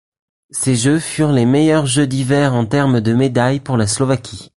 Ces jeux furent les meilleurs jeux d'hiver en termes de médailles pour la Slovaquie.